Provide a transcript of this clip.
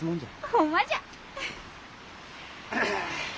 ほんまじゃ。